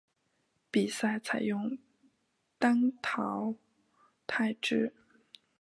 比赛采用单淘汰制。